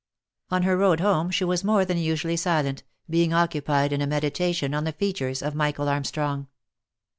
On her road home she was more than usually silent, being occu pied in a meditation on the features of Michael Armstrong.